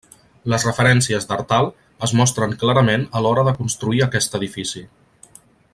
Les referències d'Artal es mostren clarament a l'hora de construir aquest edifici.